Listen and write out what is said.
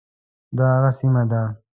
دا هغه سیمه ده.